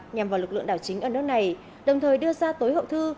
nhằm vào lực lượng đảo chính ở nước này đồng thời đưa ra tối hậu thư